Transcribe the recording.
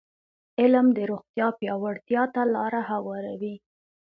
علم د روغتیا پیاوړتیا ته لاره هواروي.